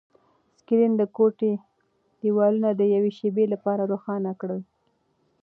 سکرین د کوټې دیوالونه د یوې شېبې لپاره روښانه کړل.